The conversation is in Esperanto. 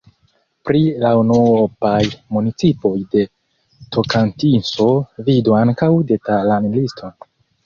Pri la unuopaj municipoj de Tokantinso vidu ankaŭ detalan liston.